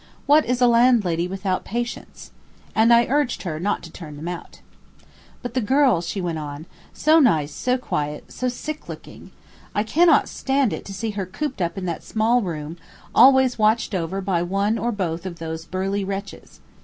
What is a landlady without patience." And I urged her not to turn them out. "But the girl," she went on, "so nice, so quiet, so sick looking! I cannot stand it to see her cooped up in that small room, always watched over by one or both of those burly wretches.